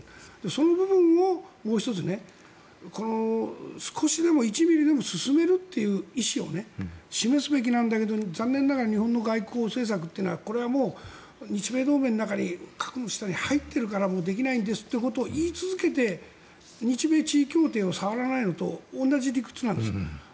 その部分をもう１つ少しでも１ｍｍでも進めるという意思を示すべきなんだけども残念ながら日本の外交政策は日米同盟の中に核の下に入ってるからできないんですってことを言い続けて日米地位協定に触らないのと同じ理屈なんです。